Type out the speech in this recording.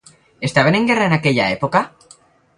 Estaven en guerra en aquella època?